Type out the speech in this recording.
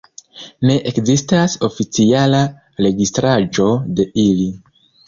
Ne ekzistas oficiala registraĵo de ili.